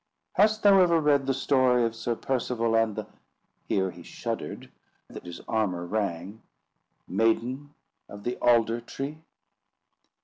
Hast thou ever read the story of Sir Percival and the"—(here he shuddered, that his armour rang)—"Maiden of the Alder tree?"